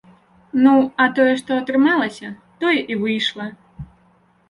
Ну, а тое што атрымалася, тое і выйшла.